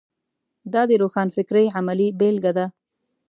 دا د روښانفکرۍ عملي بېلګه ده.